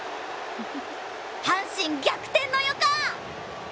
阪神逆転の予感！